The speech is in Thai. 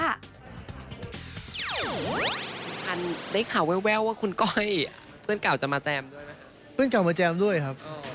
มากเพ็ตคุณคุณสงสัยว่าอะไรนะ